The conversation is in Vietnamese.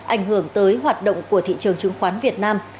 ảnh hưởng tới hoạt động của thị trường chứng khoán việt nam